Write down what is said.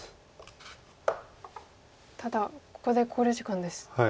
ただここで考慮時間です。